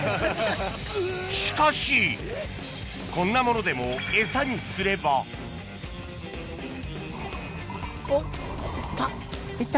しかしこんなものでも餌にすればおっ行った？